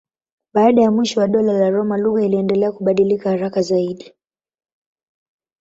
Baada ya mwisho wa Dola la Roma lugha iliendelea kubadilika haraka zaidi.